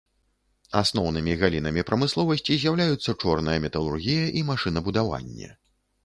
Асноўнымі галінамі прамысловасці з'яўляюцца чорная металургія і машынабудаванне.